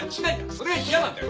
それが嫌なんだよ！